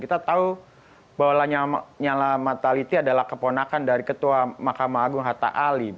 kita tahu bahwa lanyala mataliti adalah keponakan dari ketua mahkamah agung hatta ali